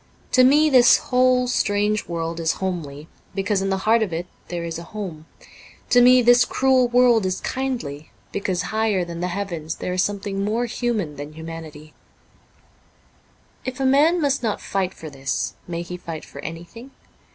To me this whole strange world is homely, because in the heart of it there is a home ; to me this cruel world is kindly, because higher than the heavens there is something more human than humanity. If a man must not fight for this, may he fight for anything